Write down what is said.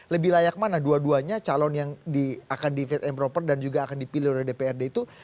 lebih layak mana dua duanya calon yang akan di fit and proper dan juga akan dipilih oleh dprd itu